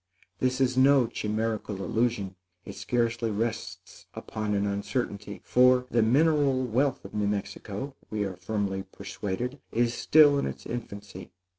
This is no chimerical illusion; it scarcely rests upon an uncertainty; for, the mineral wealth of New Mexico, we are firmly persuaded, is still in its infancy.